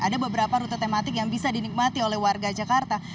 ada beberapa rute tematik yang bisa dinikmati oleh warga jakarta